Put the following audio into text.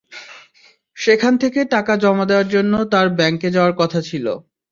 সেখান থেকে টাকা জমা দেওয়ার জন্য তাঁর ব্যাংকে যাওয়ার কথা ছিল।